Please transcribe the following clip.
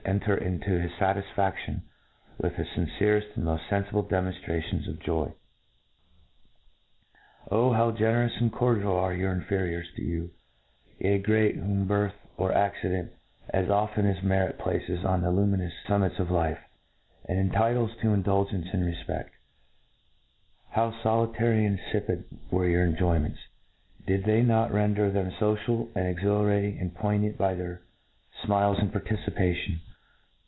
enter intp hi$ fatis£^ion with the fincereft and mqfl; fenfible demonltrations of *' O how generous and cordial are your inferiors, to you ! ye great, whom birth or accident, as often ^ merit, place? on the luminous fummits of life, ^nd entitles to indulgence and refpe^! How folita^ ry ^d infipid were your enjoyments, did they not gender them focial, and e^^hilarating, and poignant \>y their fmiles and participation